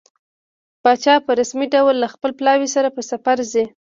پاچا په رسمي ډول له خپل پلاوي سره په سفر ځي.